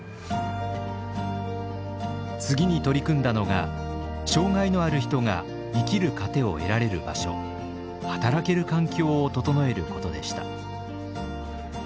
次に取り組んだのが障害のある人が生きる糧を得られる場所働ける環境を整えることでした。